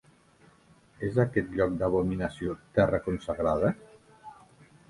És aquest lloc d'abominació terra consagrada?